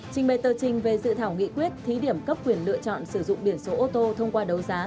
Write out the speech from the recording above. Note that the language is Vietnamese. trình bày tờ trình về dự thảo nghị quyết thí điểm cấp quyền lựa chọn sử dụng biển số ô tô thông qua đấu giá